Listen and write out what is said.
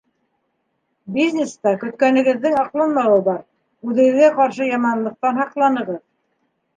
Бизнеста көткәнегеҙҙең аҡланмауы бар, үҙегеҙгә ҡаршы яманлыҡтан һаҡланығыҙ.